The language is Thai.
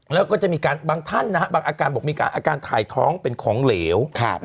แล้วก็จะมีการบางท่านบางอาการบอกมีอาการถ่ายท้องเป็นของเหลว